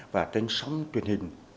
và trên sóng tuyển hình